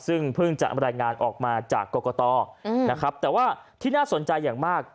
ซึ่งเพิ่งจะรายงานออกมาจากกรกตนะครับแต่ว่าที่น่าสนใจอย่างมาก